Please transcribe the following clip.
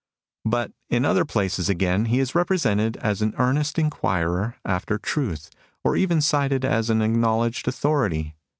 * But in other places again he is represented as an earnest inquirer after truth, or even cited as an acknowledged authority.